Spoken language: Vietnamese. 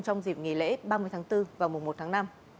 trong dịp nghỉ lễ ba mươi tháng bốn và mùa một tháng năm